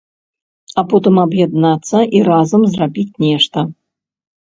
А потым аб'яднацца і разам зрабіць нешта.